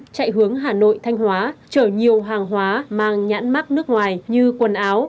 chạy hướng hà nội thanh hóa chở nhiều hàng hóa mang nhãn mắc nước ngoài như quần áo